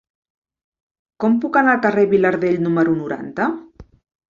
Com puc arribar al carrer de Vilardell número noranta?